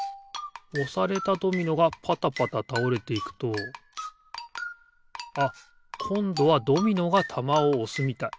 おされたドミノがぱたぱたたおれていくとあっこんどはドミノがたまをおすみたい。